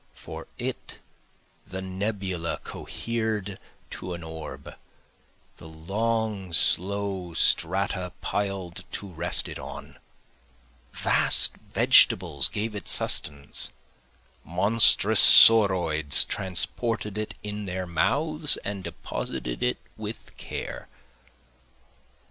For it the nebula cohered to an orb, The long slow strata piled to rest it on, Vast vegetables gave it sustenance, Monstrous sauroids transported it in their mouths and deposited it with care.